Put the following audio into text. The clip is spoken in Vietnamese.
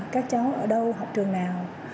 các cháu ở đâu học trường nào